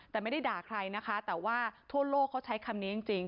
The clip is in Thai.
แต่ไม่ได้ด่าใครนะคะแต่ว่าทั่วโลกเขาใช้คำนี้จริง